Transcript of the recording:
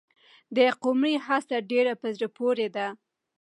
د قمرۍ هڅه ډېره په زړه پورې ده.